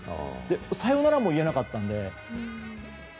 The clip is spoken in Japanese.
さようならも言えなかったので。